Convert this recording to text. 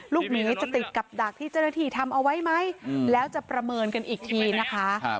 หมีจะติดกับดักที่เจ้าหน้าที่ทำเอาไว้ไหมแล้วจะประเมินกันอีกทีนะคะ